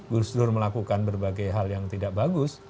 gus dur melakukan berbagai hal yang tidak bagus